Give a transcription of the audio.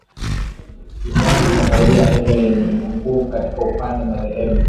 duniani na Saudi Arabia yenye nguvu katika upande madhehebu